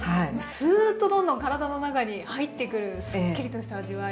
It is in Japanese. スーッとどんどん体の中に入ってくるすっきりとした味わい。